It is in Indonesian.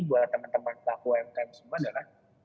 buat teman teman pelaku umkm semua adalah